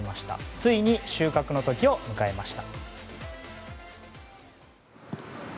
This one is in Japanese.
ついに収穫の時を迎えました。